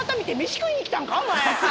お前！